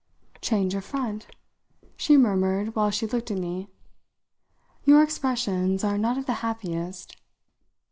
"Change of front?" she murmured while she looked at me. "Your expressions are not of the happiest."